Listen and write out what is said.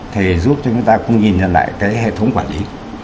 thì giúp cho người ta cũng nhìn lại cái hệ thống quản lý